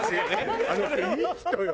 あの人いい人よ。